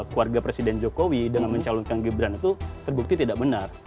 keluarga presiden jokowi dengan mencalonkan gibran itu terbukti tidak benar